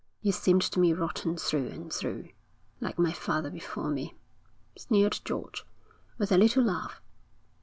You seemed to me rotten through and through.' 'Like my father before me,' sneered George, with a little laugh.